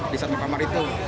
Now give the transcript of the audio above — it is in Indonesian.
di satu kamar itu